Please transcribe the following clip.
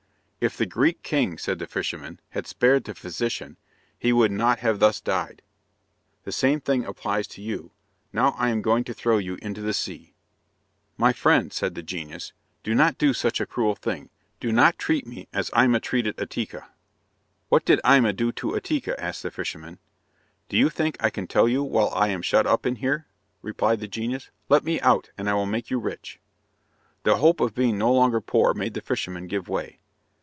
"If the Greek king," said the fisherman, "had spared the physician, he would not have thus died. The same thing applies to you. Now I am going to throw you into the sea." "My friend," said the genius, "do not do such a cruel thing. Do not treat me as Imma treated Ateca." "What did Imma do to Ateca?" asked the fisherman. "Do you think I can tell you while I am shut up in here?" replied the genius. "Let me out, and I will make you rich." The hope of being no longer poor made the fisherman give way.